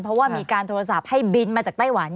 เพราะว่ามีการโทรศัพท์ให้บินมาจากไต้หวัน